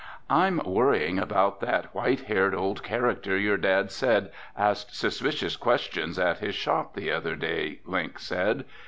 "I'm worrying about that white haired old character your dad said asked suspicious questions at his shop the other day," Link said.